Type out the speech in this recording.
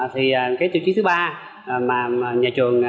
thì cái tiêu chí thứ ba mà nhà trường